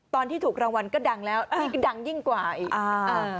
ตอนที่ถูกรางวัลก็ดังแล้วดังยิ่งกว่าอีก